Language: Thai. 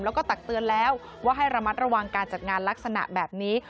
แล้วก็ตักเตือนแล้วว่าให้ระมัดระวังการจัดงานลักษณะแบบนี้